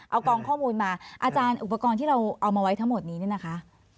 เอากองข้อมูลมาอาจารย์อุปกรณ์ที่เราเอามาไว้ทั้งหมดนี้เนี่ยนะคะ